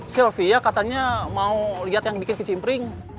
sylvia katanya mau lihat yang bikin kecimpring